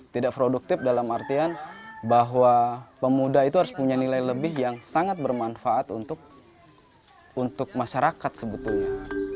tidak produktif dalam artian bahwa pemuda itu harus punya nilai lebih yang sangat bermanfaat untuk masyarakat sebetulnya